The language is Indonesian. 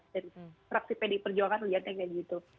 jadi fraksi pdip perjuangan lihatnya kayak gitu